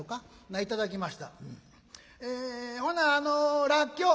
「えほなあのらっきょう」。